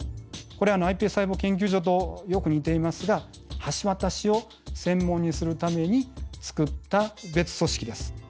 これｉＰＳ細胞研究所とよく似ていますが橋渡しを専門にするために作った別組織です。